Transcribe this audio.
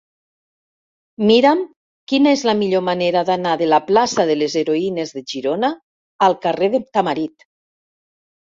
Mira'm quina és la millor manera d'anar de la plaça de les Heroïnes de Girona al carrer de Tamarit.